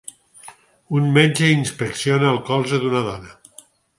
Un metge inspecciona el colze d'una dona.